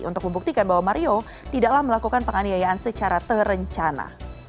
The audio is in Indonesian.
untuk membuktikan bahwa mario tidaklah melakukan penganiayaan secara terencana